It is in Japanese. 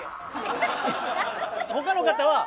他の方は。